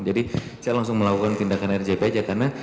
jadi saya langsung melakukan tindakan rcp aja karena